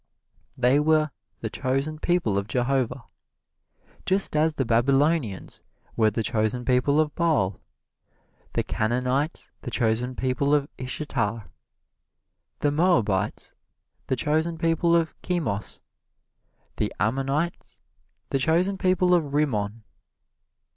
They were the chosen people of Jehovah, just as the Babylonians were the chosen people of Baal; the Canaanites the chosen people of Ishitar; the Moabites the chosen people of Chemos; the Ammonites the chosen people of Rimmon.